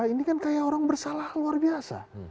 ini kan kayak orang bersalah luar biasa